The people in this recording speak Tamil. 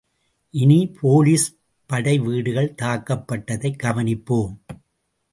இனி போலிஸ் படைவீடுகள் தாக்கப்பட்டதைக் கவனிப்போம்.